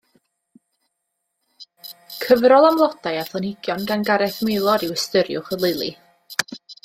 Cyfrol am flodau a phlanhigion gan Gareth Maelor yw Ystyriwch y Lili.